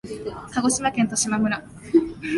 鹿児島県十島村